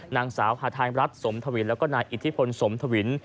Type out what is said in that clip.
นางสาวฮาทายรัฐสมทวินแล้วก็นายอิทธิพลสมทวิน